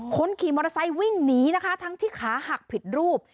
คนขี่มอเตอร์ไซค์วิ่งหนีนะคะทั้งที่ขาหักผิดรูป